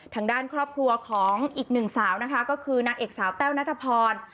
ทางด้านครอบครัวของอีกหนึ่งสาวนะคะก็คือนางเอกสาวแต้วนัทพร